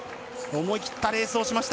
思い切ったレースをしました。